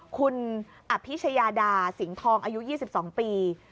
คุณอภิชยาดาสิงห์ทองอายุ๒๒ปี